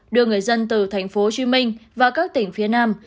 đưa người dân từ tp hcm và các tỉnh phía nam